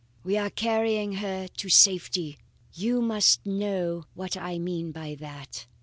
We are carrying her to safety. You must know what I mean by that.